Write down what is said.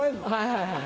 はいはい。